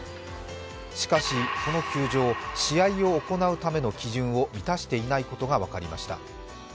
しかし、この球場、試合を行うための基準を満たしていないことが分かりました。